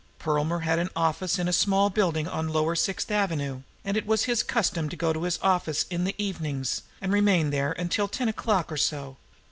Perlmer had an office in a small building on lower Sixth Avenue, and it was his custom to go to his office in the evenings and remain there until ten o'clock or so.